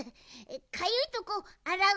かゆいとこあらう。